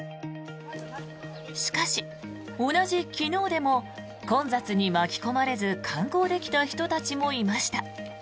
しかし、同じ昨日でも混雑に巻き込まれず観光できた人たちもいました。